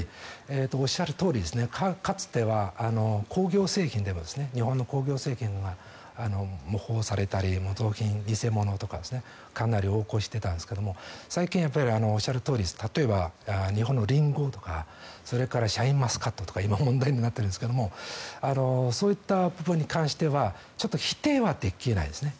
おっしゃるとおりかつては日本の工業製品が模倣されたり模造品、偽物とかかなり横行していたんですが最近はおっしゃるとおり例えば、日本のリンゴとかそれからシャインマスカットとか今、問題になっていますがそういった部分に関しては否定はできないですね。